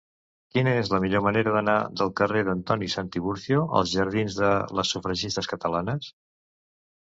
Quina és la millor manera d'anar del carrer d'Antoni Santiburcio als jardins de les Sufragistes Catalanes?